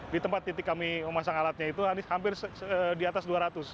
di tempat titik kami memasang alatnya itu hampir di atas dua ratus